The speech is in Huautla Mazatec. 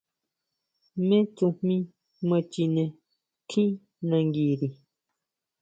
¿Jmé tsujmí ma chine tjín nanguiri?